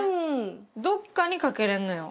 どこかにかけれるのよ。